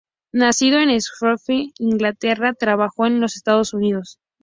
Nacido en Hertfordshire, Inglaterra, trabajó en los Estados Unidos.